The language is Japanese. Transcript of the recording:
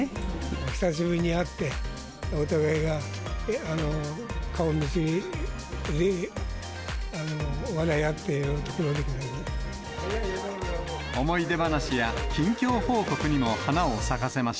久しぶりに会って、お互いが顔見知りで、笑い合っているところでございます。